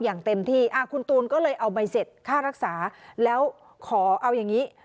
อย่างเต็มที่คุณตูนก็เลยเอาใบเสร็จค่ารักษาแล้วขอเอาอย่างนี้